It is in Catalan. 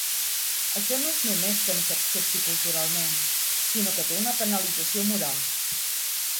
Això no és només que no s'accepti culturalment, sinó que té una penalització moral.